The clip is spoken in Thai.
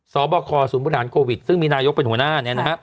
สอบคอศูนย์บริหารโควิดซึ่งมีนายกเป็นหัวหน้า